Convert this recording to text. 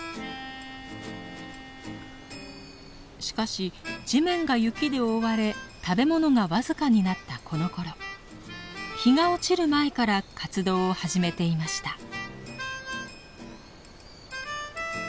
しかし地面が雪で覆われ食べ物が僅かになったこのころ日が落ちる前から活動を始めていました。